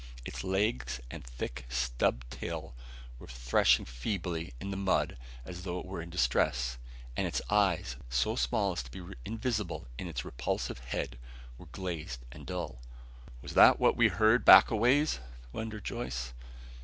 Its legs and thick, stubbed tail were threshing feebly in the mud as though it were in distress; and its eyes, so small as to be invisible in its repulsive head, were glazed and dull. "Was that what we heard back a ways?" wondered Joyce.